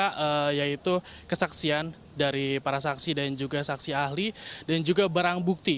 pertama yaitu kesaksian dari para saksi dan juga saksi ahli dan juga barang bukti